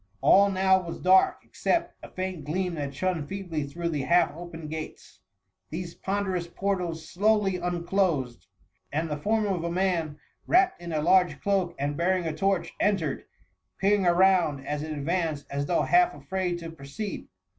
All now was dark, except a faint gleam that shone feebly through the half open gates ; these ponderous portals slowly un closed, and the form of a man, wrapped in a large cloak, and bearing a torch, entered, peer ing around as it advanced, as though half afraid to |froceed.